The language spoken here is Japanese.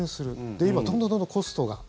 で、今どんどんどんどんコストが。